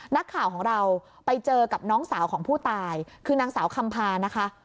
นักข่าวของเราไปเจอกับน้องสาวของผู้ตายคือนางสาวคำพานะคะ